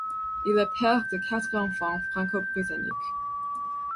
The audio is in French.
Il est père de quatre enfants franco-britanniques.